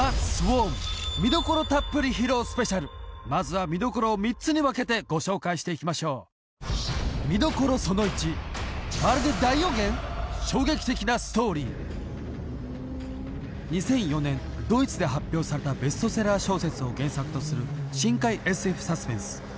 まずは見どころを３つに分けてご紹介していきましょう２００４年ドイツで発表されたベストセラー小説を原作とする深海ＳＦサスペンス